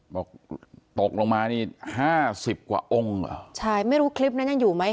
บอกตกลงมานี่ห้าสิบกว่าองค์เหรอใช่ไม่รู้คลิปนั้นยังอยู่ไหม